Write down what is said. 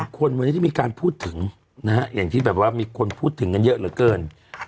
คนวันนี้ที่มีการพูดถึงนะฮะอย่างที่แบบว่ามีคนพูดถึงกันเยอะเหลือเกิน